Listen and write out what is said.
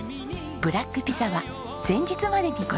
ブラックピザは前日までにご予約を。